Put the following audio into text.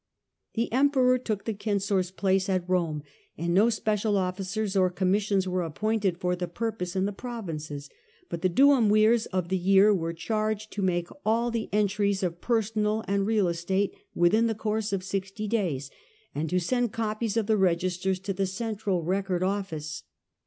The Emperor took the censor's place at Rome, and no special officers or commissions were appointed for the purpose in the provinces, but the duumvirs of the year were charged to make all the entries of personal and real estate within the course of sixty days, and to send copies of the registers to the central record office.